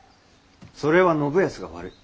それは信康が悪い。